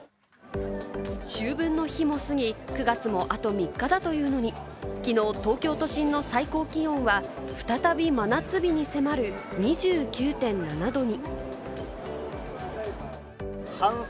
秋分の日も過ぎ、９月もあと３日だというのに、きのう東京都心の最高気温は、再び真夏日に迫る２９．７度に。